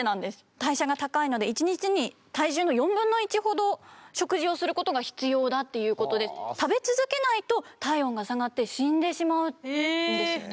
代謝が高いので一日に体重の４分の１ほど食事をすることが必要だっていうことで食べ続けないと体温が下がって死んでしまうんですよね。